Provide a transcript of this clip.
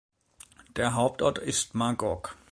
Der Hauptort ist Magog.